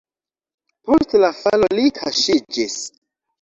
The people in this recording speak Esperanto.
Post la falo li kaŝiĝis.